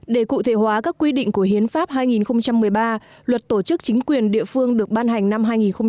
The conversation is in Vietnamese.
để cụ thể hóa các quy định của hiến pháp hai nghìn một mươi ba luật tổ chức chính quyền địa phương được ban hành năm hai nghìn một mươi